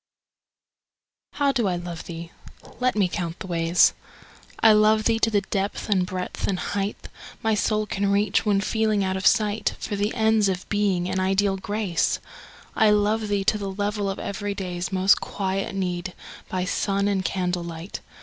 T_T OW do I love thee ? Let me count the ways. I love thee to the depth and breadth and height My soul can reach, when feeling out of sight, For the ends of Being and Ideal Grace. I love thee to the level of every day's Most quiet need, by sun and candlelight.